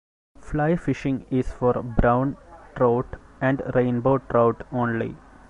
Fly fishing is for brown trout and rainbow trout only.